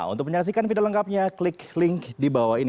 untuk menyaksikan video lengkapnya klik link di bawah ini